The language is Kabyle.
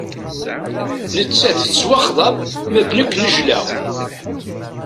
Nettat tettwaxḍeb ma d nek nejlaɣ.